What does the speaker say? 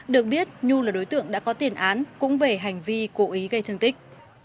được biết nhu là đối tượng đã có tiền án cũng về hành vi cố ý gây thương tích